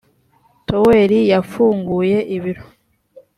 toweri yafunguye ibiro.